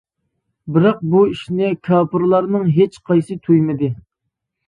بىراق بۇ ئىشنى كاپىرلارنىڭ ھېچ قايسىسى تۇيمىدى.